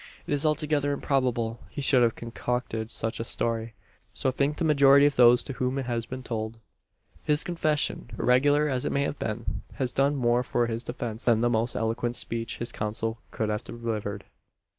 It is altogether improbable he should have concocted such a story. So think the majority of those to whom it has been told. His confession irregular as it may have been has done more for his defence than the most eloquent speech his counsel could have delivered.